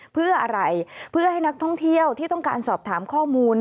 เพื่ออะไรเพื่อให้นักท่องเที่ยวที่ต้องการสอบถามข้อมูล